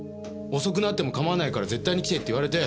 遅くなっても構わないから絶対に来てって言われて。